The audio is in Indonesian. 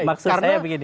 maksud saya begini